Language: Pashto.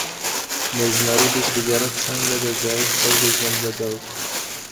د زمردو تجارت څنګه د ځایی خلګو ژوند بدل کړ؟